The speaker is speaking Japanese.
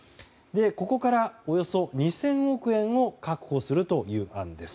ここから、およそ２０００億円を確保するという案です。